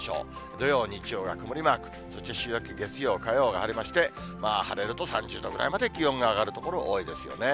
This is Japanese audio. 土曜、日曜は曇りマーク、そして週明け月曜、火曜が晴れまして、晴れると３０度ぐらいまで、気温が上がる所多いですよね。